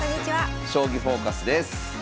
「将棋フォーカス」です。